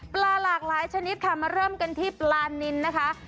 ปลาหลากหลายชนิดค่ะมาเริ่มกันที่ปลานินนะคะ